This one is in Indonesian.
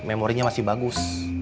memorinya masih bagus